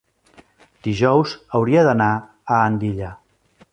Dijous hauria d'anar a Andilla.